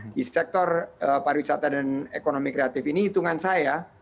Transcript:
di sektor pariwisata dan ekonomi kreatif ini hitungan saya